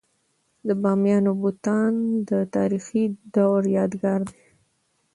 د بامیانو بتان د تاریخي دورو یادګار دی.